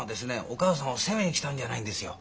お母さんを責めに来たんじゃないんですよ。